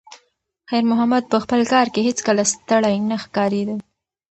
خیر محمد په خپل کار کې هیڅکله ستړی نه ښکارېده.